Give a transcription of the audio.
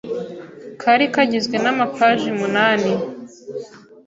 kari kagizwe na paji munani